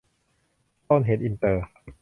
สโตนเฮ้นจ์ อินเตอร์